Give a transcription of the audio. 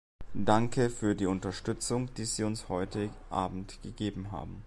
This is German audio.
Danke für die Unterstützung, die Sie uns heute abend gegeben haben.